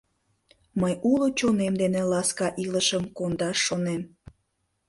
Мый уло чонем дене ласка илышым кондаш шонем.